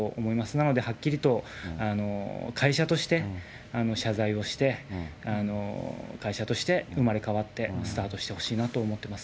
なのではっきりと会社として謝罪をして、会社として生まれ変わってスタートしてほしいなと思ってます。